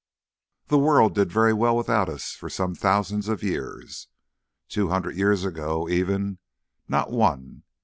"The world did very well without us for some thousands of years. Two hundred years ago even not one!